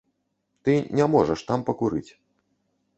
Ты не можаш там пакурыць.